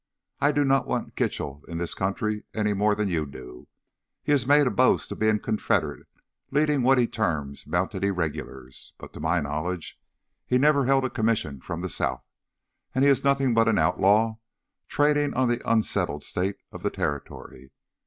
I do not want Kitchell in this country any more than you do. He has made a boast of being Confederate leading what he terms Mounted Irregulars. But to my knowledge he never held a commission from the South, and he is nothing but an outlaw trading on the unsettled state of the territory.